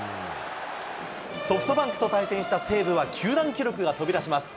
ソフトバンクと対戦した西武は、球団記録が飛び出します。